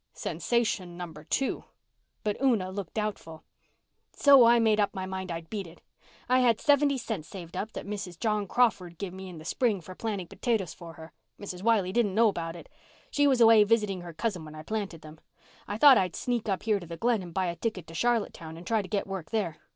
Sensation number two. But Una looked doubtful. "So I made up my mind I'd beat it. I had seventy cents saved up that Mrs. John Crawford give me in the spring for planting potatoes for her. Mrs. Wiley didn't know about it. She was away visiting her cousin when I planted them. I thought I'd sneak up here to the Glen and buy a ticket to Charlottetown and try to get work there.